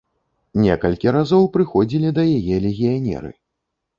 Некалькі разоў прыходзілі да яе легіянеры.